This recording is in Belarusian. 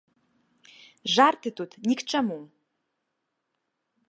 Жарты тут ні к чаму!